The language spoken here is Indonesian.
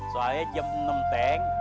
soalnya jam enam teng